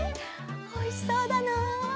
おいしそうだな。